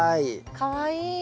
かわいい。